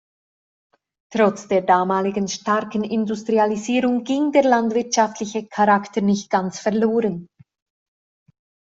Trotz der damaligen starken Industrialisierung ging der landwirtschaftliche Charakter nicht ganz verloren.